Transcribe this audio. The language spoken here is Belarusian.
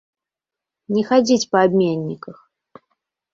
Не хадзіць па абменніках!